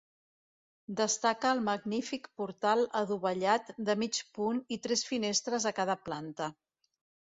Destaca el magnífic portal adovellat de mig punt i tres finestres a cada planta.